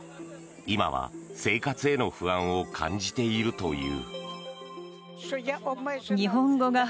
今は生活への不安を感じているという。